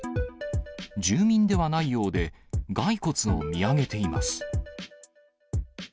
住民ではないようで、骸骨を見上げています。